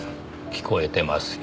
聞こえてますよ。